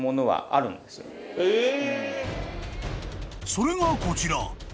［それがこちら］